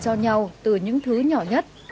cho nhau từ những thứ nhỏ nhất